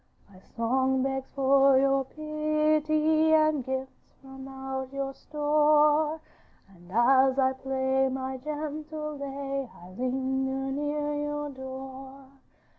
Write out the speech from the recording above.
'My song begs for your pity, And gifts from out your store, And as I play my gentle lay I linger near your door.